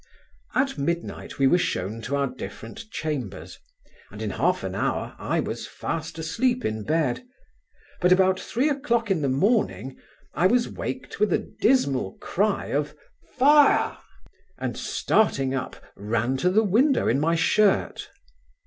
At midnight we were shewn to our different chambers, and in half an hour, I was fast asleep in bed; but about three o'clock in the morning I was waked with a dismal cry of Fire! and starting up, ran to the window in my shirt.